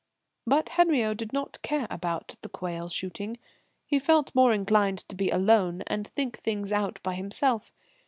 But Henriot did not care about the quail shooting. He felt more inclined to be alone and think things out by himself.